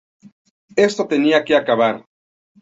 Esto tenía que acabar".